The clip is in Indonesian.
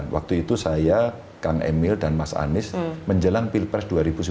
waktu itu saya kang emil dan mas anies menjelang pilpres dua ribu sembilan belas